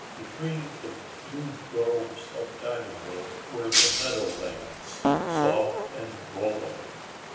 Between the blue groves of diamond wood were the meadow lands, soft and rolling.